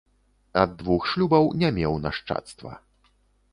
Ад двух шлюбаў не меў нашчадства.